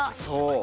そう！